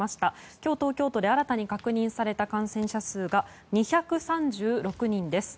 今日、東京都で新たに確認された感染者数が２３６人です。